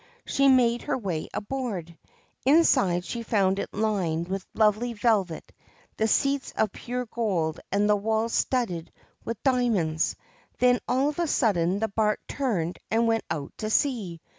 She made her way aboard. Inside she found it lined with lovely velvet, the seats of pure gold and the walls studded with diamonds ; then, all of a sudden, the barque turned and went out to sea.